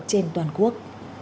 trên toàn quốc